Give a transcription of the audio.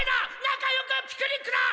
なかよくピクニックだ！